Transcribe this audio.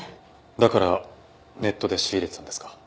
だからネットで仕入れてたんですか？